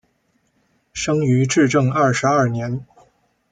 生于至正二十二年。